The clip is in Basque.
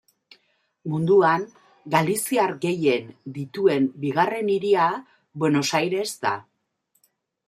Munduan, galiziar gehien dituen bigarren hiria Buenos Aires da.